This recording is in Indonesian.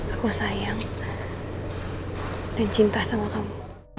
aku sayang dan cinta sama kamu